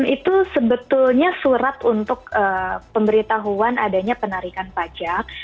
itu sebetulnya surat untuk pemberitahuan adanya penarikan pajak